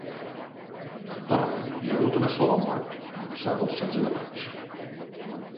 A Andorra, hi ha hagut una sola mort d’ençà del setze de maig.